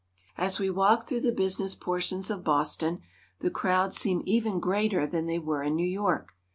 As we walk through the business portions of Boston the crowds seem even greater than they were in New York.